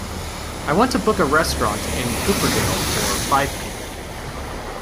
I want to book a restaurant in Cooperdale for five people.